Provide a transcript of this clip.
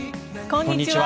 こんにちは。